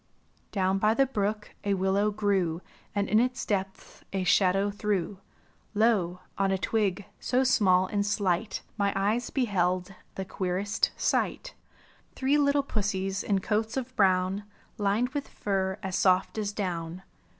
Down by the brook a willow grew And in its depths a shadow threw; Lo, on a twig, so small and slight. My eyes beheld the queerest sight! Three little pussies in coats of brown Lined with fur as soft as down.